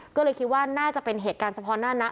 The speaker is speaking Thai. ก็เลยคิดว่าน่าจะเป็นเหตุการณ์เฉพาะหน้านะ